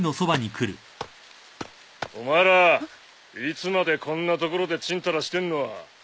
いつまでこんなところでちんたらしてんの？